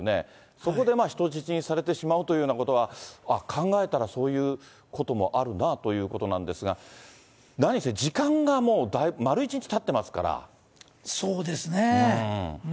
そこで人質にされてしまうというようなことは、考えたら、そういうこともあるなということなんですが、何せ時間がもう、そうですね。